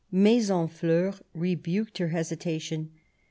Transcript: Maisonfieur rebuked her hesitation.